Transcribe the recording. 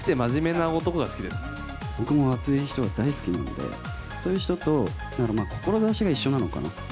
僕も熱い人が大好きなので、そういう人と、だからまあ、志が一緒なのかな。